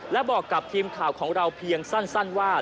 และบอกกับทีมข่าวของเราเพียงสั้นว่า